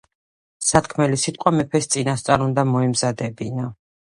სათქმელი სიტყვა მეფეს წინასწარ უნდა მოემზადებინა.